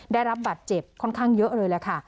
ได้รับบัตรเจ็บค่อนข้างเยอะเลยแหละค่ะ